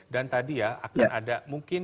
tadi ya akan ada mungkin